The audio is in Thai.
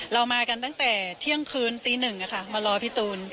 เรามากันตั้งแต่เที่ยงคืนตีหนึ่งมารอพี่ตูน